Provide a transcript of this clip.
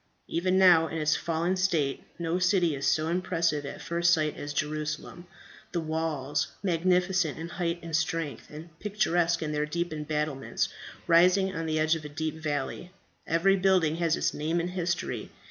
Even now in its fallen state no city is so impressive at first sight as Jerusalem; the walls, magnificent in height and strength, and picturesque in their deep embattlements, rising on the edge of a deep valley. Every building has its name and history.